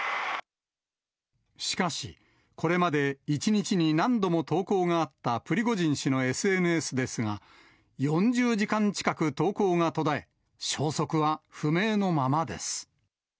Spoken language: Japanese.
しかし、これまで１日に何度も投稿があったプリゴジン氏のＳＮＳですが、４０時間近く投稿が途絶え、消息は不明のままです。